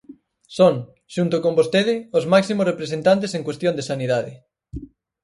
Son, xunto con vostede, os máximos representantes en cuestión de sanidade.